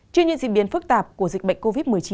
trước những diễn biến phức tạp của dịch bệnh covid một mươi chín